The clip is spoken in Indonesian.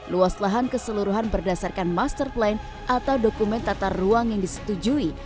luas lahan keseluruhan berdasarkan master plan atau dokumen tata ruang yang disetujui